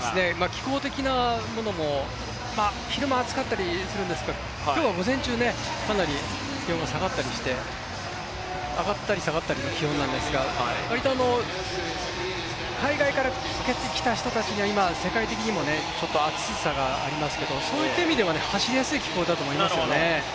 気候的なものも、昼間暑かったりするんですが、今日は午前中、かなり気温が下がったりして、上がったり下がったりの気温なんですが、割と海外から来た人たちには、世界的にも暑さがありますけど、そういった意味では走りやすい気候だと思いますよね。